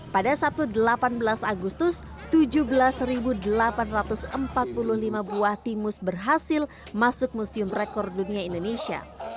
pada sabtu delapan belas agustus tujuh belas delapan ratus empat puluh lima buah timus berhasil masuk museum rekor dunia indonesia